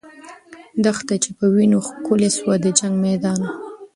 دښته چې په وینو ښکلې سوه، د جنګ میدان وو.